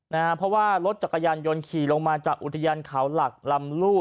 นะฮะเพราะว่ารถจักรยานยนต์ขี่ลงมาจากอุทยานเขาหลักลำลู่